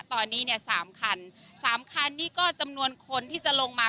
ตอนนี้เนี่ยสามคันสามคันนี่ก็จำนวนคนที่จะลงมา